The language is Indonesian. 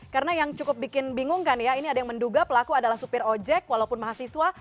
karena yang cukup bikin bingung kan ya ini ada yang menduga pelaku adalah supir ojek walaupun mahasiswa